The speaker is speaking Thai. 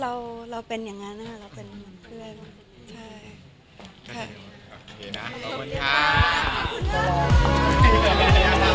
รู้สึกยังไงหรอคะ